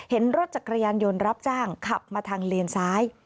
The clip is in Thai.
เห็นรถจักรยานยนต์รับจ้างขับมาทางเลนซ้าย